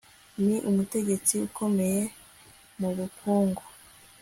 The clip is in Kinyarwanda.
Ni umutegetsi ukomeye mubukungu